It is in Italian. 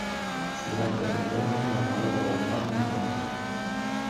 Si tratta di un fenomeno analogo all'appannamento.